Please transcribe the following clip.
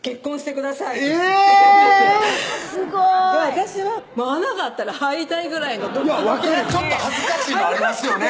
私は穴があったら入りたいぐらいの分かるちょっと恥ずかしいのありますよね